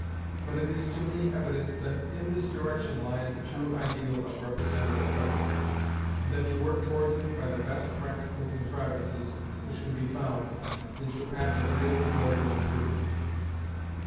But it is to me evident that in this direction lies the true ideal of representative government; and that to work towards it by the best practical contrivances which can be found is the path of real political improvement.